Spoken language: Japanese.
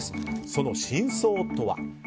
その真相とは。